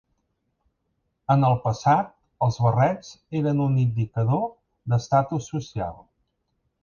En el passat, els barrets eren un indicador d'estatus social.